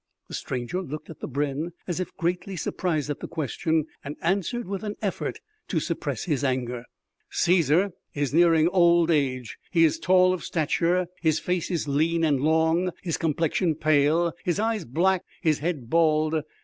The stranger looked at the brenn as if greatly surprised at the question, and answered with an effort to suppress his anger: "Cæsar is nearing old age; he is tall of stature; his face is lean and long; his complexion pale; his eyes black; his head bald.